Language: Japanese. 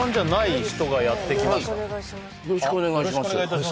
よろしくお願いします